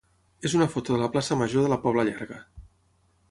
és una foto de la plaça major de la Pobla Llarga.